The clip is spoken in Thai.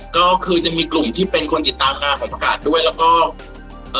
ก็คือจะมีกลุ่มที่เป็นคนติดตามงานของประกาศด้วยแล้วก็เอ่อ